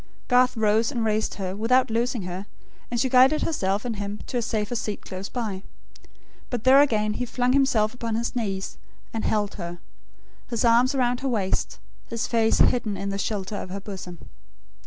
Garth rose, and raised her, without loosing her; and she guided herself and him to a safer seat close by. But there again he flung himself upon his knees, and held her; his arms around her waist; his face hidden in the shelter of her bosom.